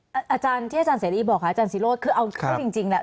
พี่อาจารย์ที่ท่านอาจารย์เสรีบอกครับคือเอาจริงแล้ว